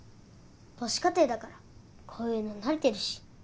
母子家庭だからこういうの慣れてるし。